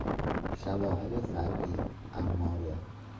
شواهد فرعی، اماره